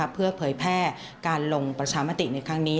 เพื่อเผยแพร่การลงประชามติในครั้งนี้